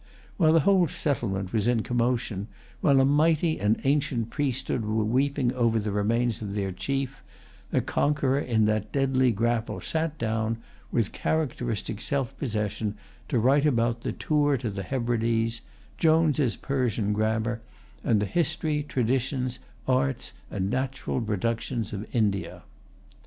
While the whole settlement was in commotion, while a mighty and ancient priesthood were weeping over the remains of their chief, the conqueror in that deadly grapple sat down, with characteristic self possession, to write about the Tour to the Hebrides, Jones's Persian Grammar, and the history, traditions, arts, and natural productions of India.